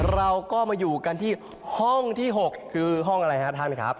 เราก็มาอยู่กันที่ห้องที่๖คือห้องอะไรครับท่านไหมครับ